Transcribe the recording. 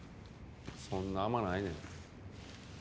そんな甘ないねん。